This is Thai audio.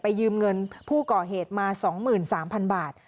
ยืมเงินผู้ก่อเหตุมา๒๓๐๐๐บาท